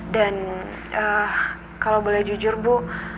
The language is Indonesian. dan eee kalau boleh jujur bu